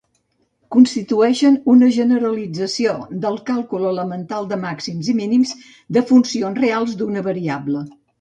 Constitueixen una generalització del càlcul elemental de màxims i mínims de funcions reals d'una variable.